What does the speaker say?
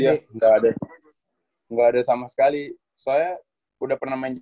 iya gak ada gak ada sama sekali soalnya udah pernah main jbl